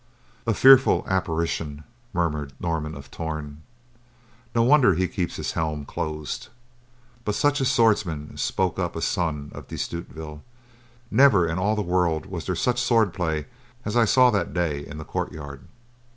"A fearful apparition," murmured Norman of Torn. "No wonder he keeps his helm closed." "But such a swordsman," spoke up a son of De Stutevill. "Never in all the world was there such swordplay as I saw that day in the courtyard."